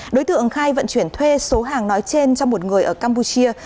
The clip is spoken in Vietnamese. đối tượng khai vận chuyển thuê số hàng nói trên cho một người ở campuchia